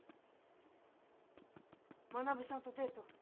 学さんとデート？